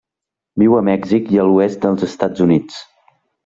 Viu a Mèxic i l'oest dels Estats Units.